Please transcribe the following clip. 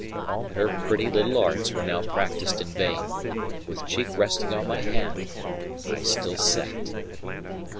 All her pretty little arts were now practiced in vain: with cheek resting on my hand, I still sat.